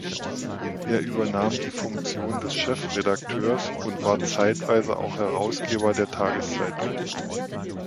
Er übernahm die Funktion des Chefredakteurs und war zeitweise auch Herausgeber der Tageszeitung.